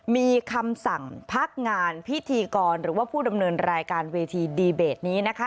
มีคำสั่งพักงานพิธีกรหรือว่าผู้ดำเนินรายการเวทีดีเบตนี้นะคะ